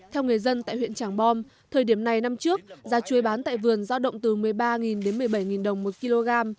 theo người dân tại huyện tràng bom thời điểm này năm trước giá chui bán tại vườn giao động từ một mươi ba đến một mươi bảy đồng một kg